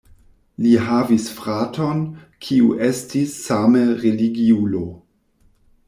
Li havis fraton, kiu estis same religiulo.